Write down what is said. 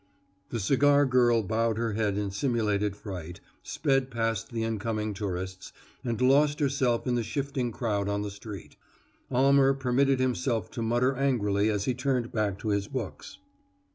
The cigar girl bowed her head in simulated fright, sped past the incoming tourists, and lost herself in the shifting crowd on the street. Almer permitted himself to mutter angrily as he turned back to his books.